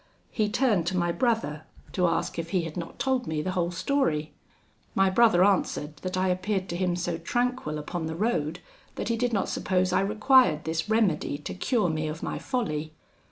He turned to my brother, to ask if he had not told me the whole story. My brother answered, that I appeared to him so tranquil upon the road, that he did not suppose I required this remedy to cure me of my folly.